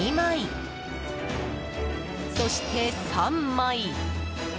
そして、３枚！